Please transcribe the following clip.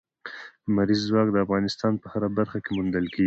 لمریز ځواک د افغانستان په هره برخه کې موندل کېږي.